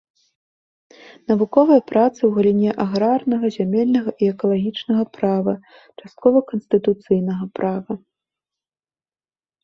Навуковыя працы ў галіне аграрнага, зямельнага і экалагічнага права, часткова канстытуцыйнага права.